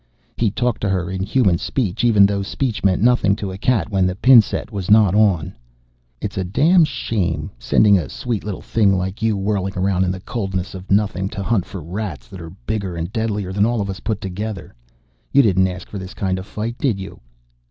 He talked to her in human speech, even though speech meant nothing to a cat when the pin set was not on. "It's a damn shame, sending a sweet little thing like you whirling around in the coldness of nothing to hunt for Rats that are bigger and deadlier than all of us put together. You didn't ask for this kind of fight, did you?"